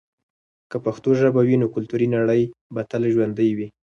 که پښتو ژبه وي، نو کلتوري نړی به تل ژوندي وي.